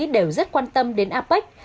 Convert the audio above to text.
đều rất quan tâm đến apec